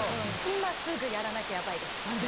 今すぐやらなきゃヤバいです何で？